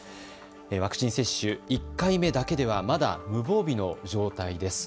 ワクチン接種、１回目だけではまだ無防備の状態です。